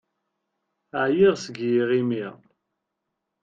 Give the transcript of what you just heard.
Ԑyiɣ seg yiɣimi.